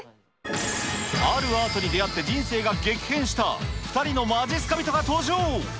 あるアートに出会って人生が激変した２人のまじっすか人が登場。